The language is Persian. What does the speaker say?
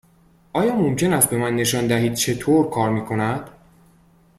آیا ممکن است به من نشان دهید چطور کار می کند؟